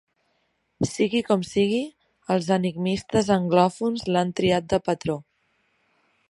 Sigui com sigui, els enigmistes anglòfons l'han triat de patró.